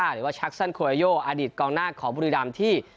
หรือว่าชักซั่นโคเยโยอดิตกองหน้าของบุรีดรรมที่